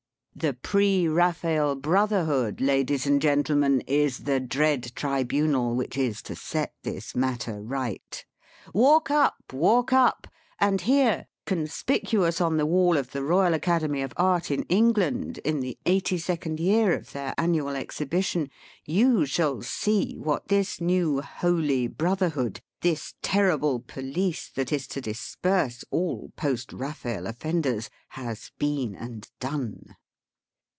The Pre Eaphael Brotherhood, Ladies and Gentlemen, is the dread Tribunal which is to set this matter right. Walk up, walk up ; and here, conspicuous on the wall of the Eoyal Academy of Art in England, in the eighty second year of their annual exhibition, you shall see what this new Holy Brother hood, this terrible Police that is to disperse all Post Eaphael offenders, has "been and done